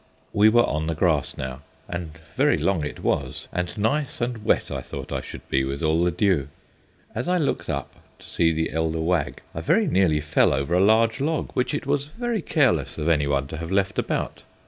We were on the grass now, and very long it was, and nice and wet I thought I should be with all the dew. As I looked up to see the elder Wag I very nearly fell over a large log which it was very careless of anyone to have left about.